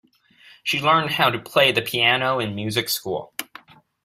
She learned how to play the piano in music school.